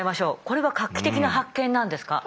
これは画期的な発見なんですか？